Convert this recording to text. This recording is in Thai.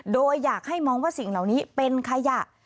โดยอยากให้มองว่าสิ่งเหล่านี้เป็นขยะ